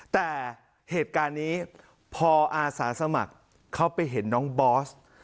แต่เหตุการณ์นี้พออาสาสมัครเขาไปเห็นน้องบอส